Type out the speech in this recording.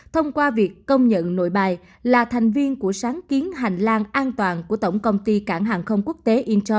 thông qua việc công nhận nội bài là thành viên của sáng kiến hành lang an toàn của tổng công ty cảng hạng không quốc tế incheon hàn quốc